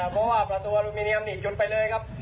เพราะว่าประตูอลูมิเนียมนี่ชนไปเลยครับ